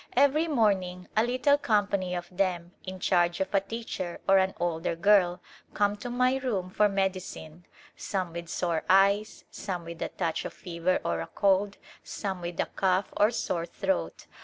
Every morning a little company of them, in charge of a teacher or an older girl, come to mv room for medicine, some with sore eves, some with a touch of fever or a cold, some with a cough or sore throat.